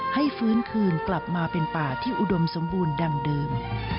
ให้ฟื้นคืนกลับมาเป็นป่าที่อุดมสมบูรณ์ดังเดิม